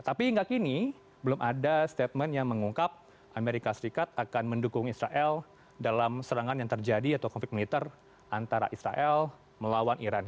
tapi hingga kini belum ada statement yang mengungkap amerika serikat akan mendukung israel dalam serangan yang terjadi atau konflik militer antara israel melawan iran